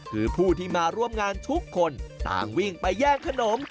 คือผู้ที่มาร่วมงานทุกคนต่างวิ่งไปแย่งขนม